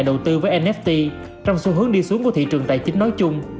đầu tư với nft trong xu hướng đi xuống của thị trường tài chính nói chung